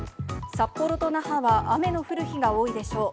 札幌と那覇は雨の降る日が多いでしょう。